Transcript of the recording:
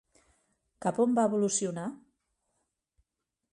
Cap on va evolucionar?